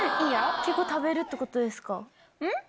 結構、食べるということですか？